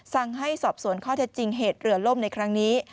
สั่งให้สอบสวนข้อเท็จจริงเหตุเรือล่มในครั้งนี้